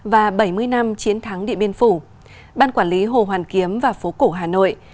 và bảy mươi năm chiến thắng điện biên phủ ban quản lý hồ hoàn kiếm và phố cổ hà nội